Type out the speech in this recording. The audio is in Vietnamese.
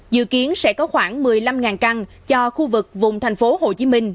dự kiến sẽ có khoảng một mươi năm căn cho khu vực vùng thành phố hồ chí minh